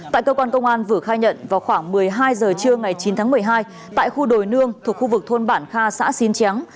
tại cơ quan công an vữa khai nhận vào khoảng một mươi hai h trưa ngày chín tháng một mươi hai tại khu đồi nương thuộc khu vực thôn bản kha xã xín tráng